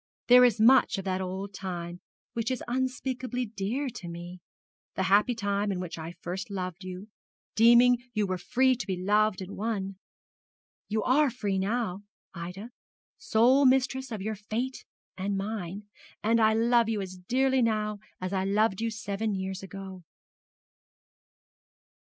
'There is much of that old time which is unspeakably dear to me the happy time in which I first loved you, deeming you were free to be loved and won. You are free now, Ida, sole mistress of your fate and mine; and I love you as dearly now as I loved you seven years ago.